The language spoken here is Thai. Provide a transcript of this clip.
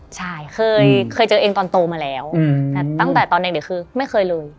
ใช่เคยเจอเองตอนโตมาแล้วแต่ตั้งแต่ตอนเด็กคือไม่เคยเลย